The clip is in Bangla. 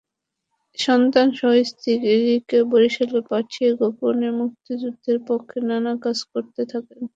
সন্তানসহ স্ত্রীকে বরিশালে পাঠিয়ে গোপনে মুক্তিযুদ্ধের পক্ষে নানা কাজ করতে থাকেন।